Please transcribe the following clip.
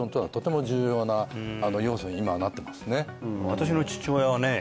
私の父親はね